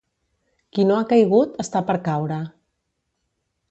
Qui no ha caigut, està per caure.